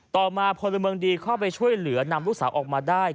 ต่อมาพลเมืองดีเข้าไปช่วยเหลือนำลูกสาวออกมาได้